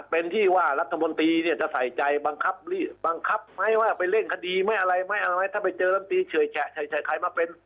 เป็นที่ว่ารัฐบนตรีเนี่ยจะใส่ใจบังคับไหมว่าไปเล่นคดีไม่อะไรถ้าไปเจอรัฐบนตรีเฉยแขะใครมาเป็น